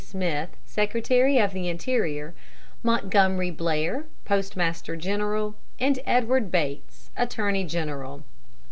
Smith, Secretary of the Interior; Montgomery Blair, Postmaster General; and Edward Bates, Attorney General.